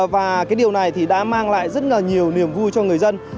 và điều này đã mang lại rất nhiều niềm vui cho người dân